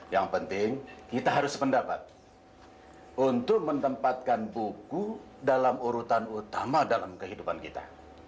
yang penting kita harus sependapat untuk menempatkan buku dalam urutan utama dalam kehidupan kita